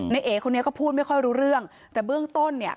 เอ๋คนนี้ก็พูดไม่ค่อยรู้เรื่องแต่เบื้องต้นเนี่ย